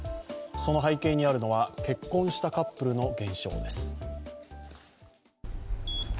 その背景にあるのは結婚したカップルの減少です。